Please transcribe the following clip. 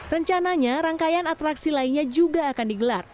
rencananya rangkaian atraksi lainnya juga akan digelar